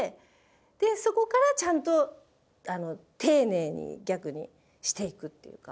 でそこからちゃんと丁寧に逆にしていくっていうか。